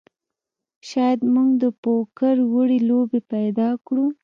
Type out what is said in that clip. شاید موږ د پوکر وړې لوبې پیدا کړو